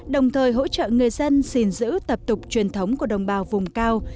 đồng thời hỗ trợ người dân xin giữ tập tục truyền thống của đồng bào vùng cao